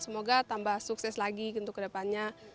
semoga tambah sukses lagi untuk kedepannya